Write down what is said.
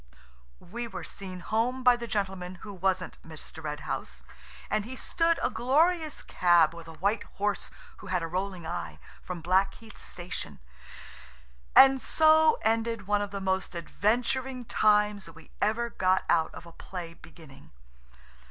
We were seen home by the gentleman who wasn't Mr. Red House, and he stood a glorious cab with a white horse who had a rolling eye, from Blackheath Station, and so ended one of the most adventuring times we ever got out of a play beginning.